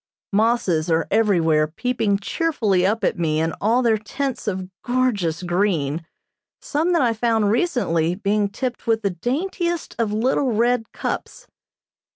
Mosses are everywhere peeping cheerfully up at me in all their tints of gorgeous green, some that I found recently being tipped with the daintiest of little red cups.